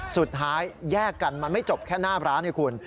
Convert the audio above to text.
สุดท้ายแยกกันมันไม่จบแค่หน้าร้านให้คุณ